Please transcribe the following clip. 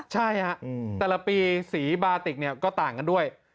ใช่ครับแต่ละปีสีบาติกเนี่ยก็ต่างกันด้วย